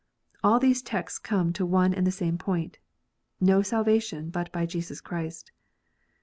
All these texts come to one and the same point, no salvation but by Jesus Christ.